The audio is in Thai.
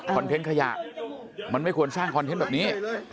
เทนต์ขยะมันไม่ควรสร้างคอนเทนต์แบบนี้